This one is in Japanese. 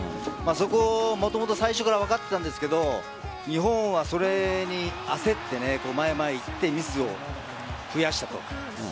そこをもともと最初から分かっていたんですが日本はそれに焦って前へ前へ行ってミスを増やしたと。